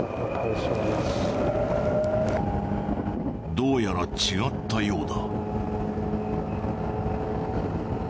どうやら違ったようだ。